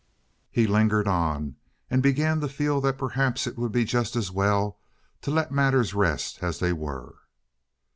He lingered on, and began to feel that perhaps it would be just as well to let matters rest as they were.